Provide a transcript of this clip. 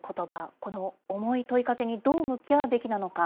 この重い問いかけに、どう向き合うべきなのか。